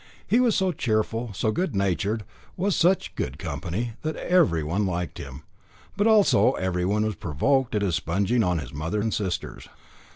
He was so cheerful, so good natured, was such good company, that everyone liked him, but also everyone was provoked at his sponging on his mother and sisters.